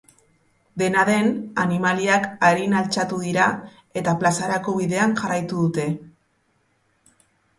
Dena den, animaliak arin altxatu dira, eta plazarako bidean jarraitu dute.